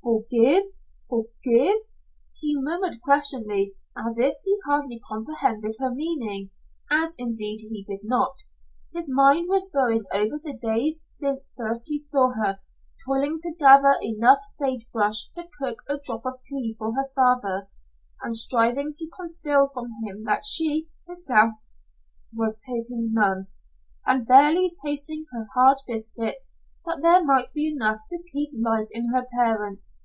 "Forgive? Forgive?" He murmured questioningly as if he hardly comprehended her meaning, as indeed he did not. His mind was going over the days since first he saw her, toiling to gather enough sagebrush to cook a drop of tea for her father, and striving to conceal from him that she, herself, was taking none, and barely tasting her hard biscuit that there might be enough to keep life in her parents.